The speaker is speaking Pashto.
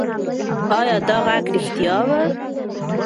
ایا دا غږ رښتیا و؟